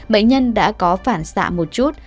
bệnh nhân đã có phản xạ một chút